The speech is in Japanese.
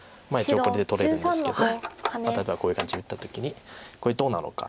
一応これで取れるんですけど例えばこういう感じで打った時にこれどうなのか。